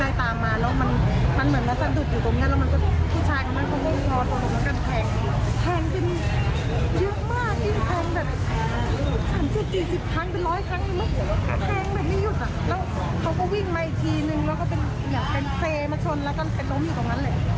แล้วก็เขาก็บอกให้พ่อพ่อพ่อเขาก็มันให้คนแท้งก็เลยพิ่งออกไปเลย